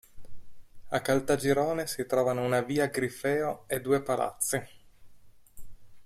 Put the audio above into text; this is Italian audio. A Caltagirone si trovano una via Grifeo e due palazzi.